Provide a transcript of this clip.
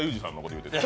言うてた。